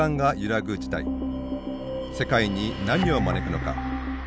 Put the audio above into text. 世界に何を招くのか。